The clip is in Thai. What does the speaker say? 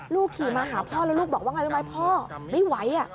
ลูกขี่มาหาพ่อแล้วลูกบอกว่าพ่อไม่ไหว